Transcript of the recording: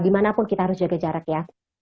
dimanapun kita harus jaga jarak ya